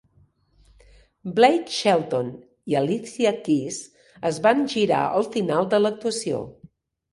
Blake Shelton i Alicia Keys es van girar al final de l'actuació.